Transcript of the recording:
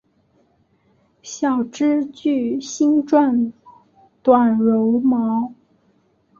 小枝具星状短柔毛。